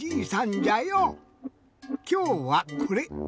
きょうはこれ。